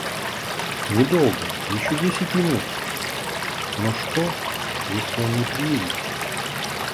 Недолго, еще десять минут... Но что, если он не приедет?